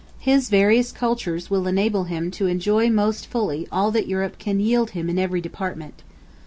His various culture will enable him to enjoy most fully all that Europe can yield him in every department.